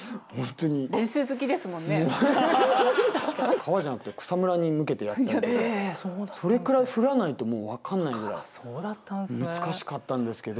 川じゃなくて草むらに向けてやったりとかそれくらい振らないともう分かんないぐらい難しかったんですけど。